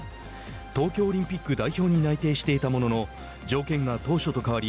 東京オリンピック代表に内定していたものの条件が当初と変わり